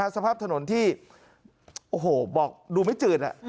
สภาพถนนที่โอ้โหบอกดูไม่จืด